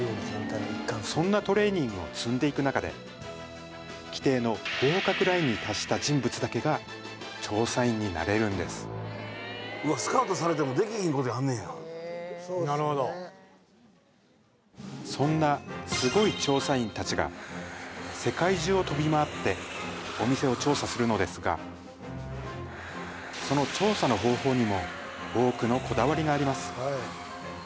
そんなトレーニングを積んでいく中で規定の合格ラインに達した人物だけが調査員になれるんですことあんねやそんなすごい調査員達が世界中を飛び回ってお店を調査するのですがその調査の方法にも多くのこだわりがあります